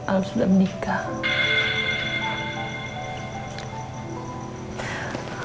al sudah menikah